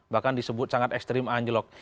bahkan disebut sangat ekstrim anjlok